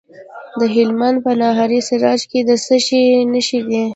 د هلمند په ناهري سراج کې د څه شي نښې دي؟